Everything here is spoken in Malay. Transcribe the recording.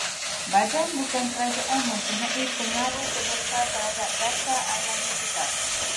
Badan bukan kerajaan mempunyai pengaruh terbesar terhadap dasar alam sekitar